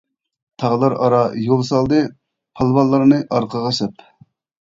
تاغلار ئارا يول سالدى، پالۋانلارنى ئارقىغا سەپ.